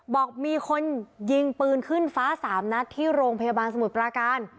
บอกมีคนยิงปืนขึ้นฟ้า๓นัดที่โรงพยาบาลสมุทรปราการ